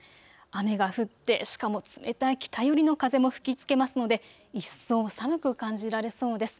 雨が降って、しかも冷たい北寄りの風も吹きつけますので一層寒く感じられそうです。